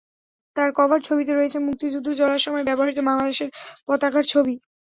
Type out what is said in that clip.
তাঁর কভার ছবিতে রয়েছে মুক্তিযুদ্ধ চলার সময়ে ব্যবহৃত বাংলাদেশের পতাকার ছবি।